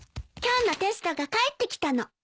今日のテストが返ってきたの。